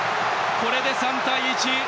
これで３対１！